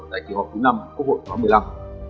tại kỷ hội thứ năm quốc hội tháng một mươi năm